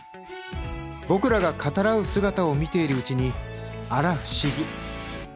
僕らが語らう姿を見ているうちにあら不思議。